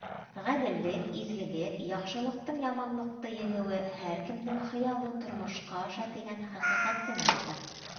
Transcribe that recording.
Ғәҙеллек, изгелек, яҡшылыҡтың яманлыҡты еңеүе һәр кемдең хыялы тормошҡа аша тигән хәҡиҡәтте нығыта.